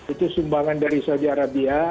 itu sumbangan dari saudara dia